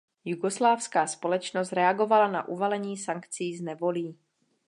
Jugoslávská společnost reagovala na uvalení sankcí s nevolí.